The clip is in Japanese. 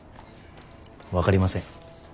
分かりません。